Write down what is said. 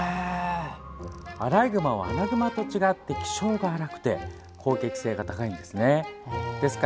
アライグマはアナグマと違って気性が荒くて攻撃性が高いんです。